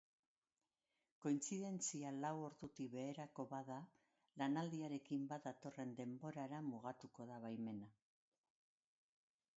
Kointzidentzia lau ordutik beherako bada, lanaldiarekin bat datorren denborara mugatuko da baimena.